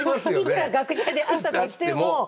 いくら学者であったとしても。